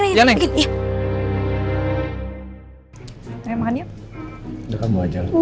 ayo makan yuk udah kamu ajol